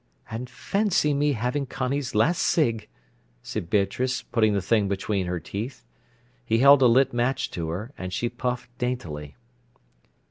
"And fancy me having Connie's last cig.," said Beatrice, putting the thing between her teeth. He held a lit match to her, and she puffed daintily.